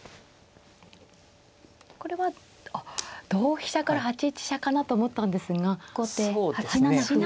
これはあっ同飛車から８一飛車かなと思ったんですが８七歩でした。